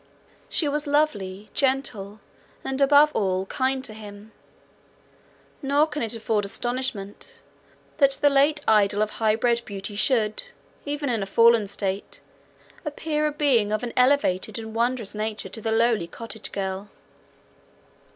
She was lovely, gentle, and, above all, kind to him; nor can it afford astonishment, that the late idol of high bred beauty should, even in a fallen state, appear a being of an elevated and wondrous nature to the lowly cottage girl.